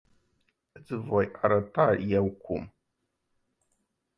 Iti voi arata eu cum.